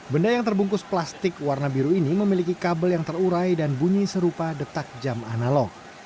benda yang terbungkus plastik warna biru ini memiliki kabel yang terurai dan bunyi serupa detak jam analog